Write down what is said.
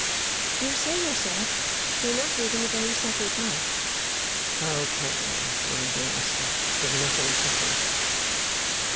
"You say, yourself, you are not leading a very settled life." "How can I, my dear Esther, with nothing settled!"